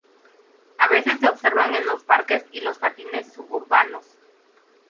A veces se observan en loas parques y los jardines suburbanos.